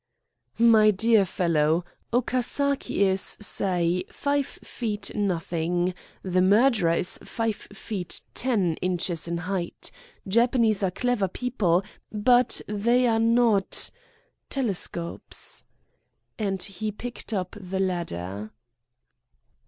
"My dear fellow! Okasaki is, say, five feet nothing. The murderer is five feet ten inches in height. Japanese are clever people, but they are not telescopes," and he picked up the ladder.